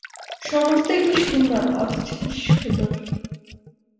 সমস্তই কী সুন্দর, অথচ কী সুদূর।